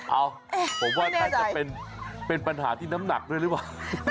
เอ้าผมว่าน่าจะเป็นปัญหาที่น้ำหนักด้วยหรือเปล่า